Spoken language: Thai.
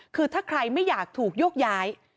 คือถ้าใครไม่อยากถูกโยกย้าย